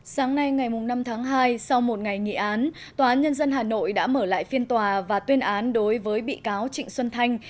sáng nay ngày năm tháng hai sau một ngày nghị án tòa án nhân dân hà nội đã mở lại phiên tòa và tuyên án đối với bị cáo trịnh xuân thanh